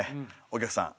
お客さん